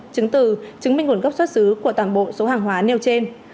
chứng từ chứng minh nguồn gốc xuất xứ của toàn bộ số hàng hóa nêu trên